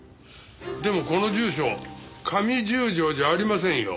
でもこの住所上十条じゃありませんよ。